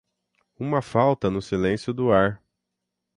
uma falta no silêncio do ar.